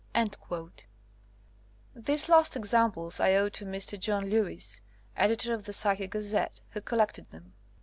'' These last examples I owe to Mr. John Lewis, Editor of the Psychic Gazette, who collected them.